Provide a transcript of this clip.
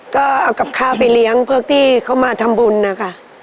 ก็เอากับข้าวไปเลี้ยงพวกที่เขามาทำบุญนะคะ